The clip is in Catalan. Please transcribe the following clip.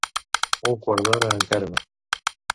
Un quart d'hora encara no.